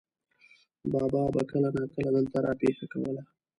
بابا به کله ناکله دلته را پېښه کوله.